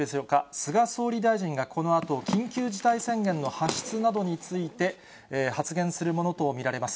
菅総理大臣がこのあと、緊急事態宣言の発出などについて、発言するものと見られます。